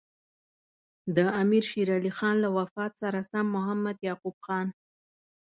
د امیر شېر علي خان له وفات سره سم محمد یعقوب خان.